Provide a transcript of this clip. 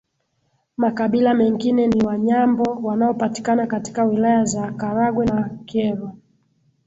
Makabila mengine ni Wanyambo wanaopatikana katika Wilaya za Karagwe na Kyerwa